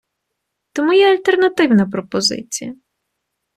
Тому є альтернативна пропозиція.